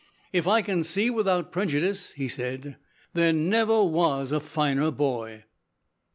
"If I can see without prejudice," he said, "there never was a finer boy."